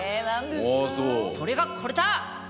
それがこれだ！